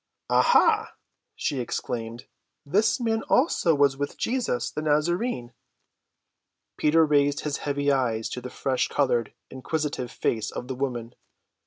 "Aha!" she exclaimed. "This man also was with Jesus, the Nazarene." Peter raised his heavy eyes to the fresh‐colored, inquisitive face of the woman.